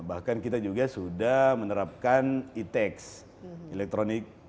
bahkan kita juga sudah menerapkan e text elektronik